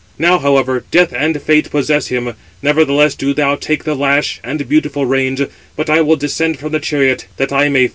Now, however, death and fate possess him. Nevertheless, do thou take the lash and beautiful reins; but I will descend from the chariot, that I may fight."